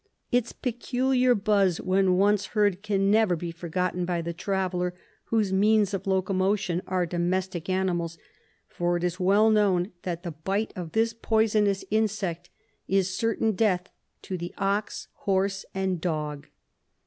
Its peculiar buzz, when once heard, can never be forgotten by the traveller whose means of loco motion are domestic animals, for it is well known that the bite of this poisonous insect is certain death to the ox, horse and dog.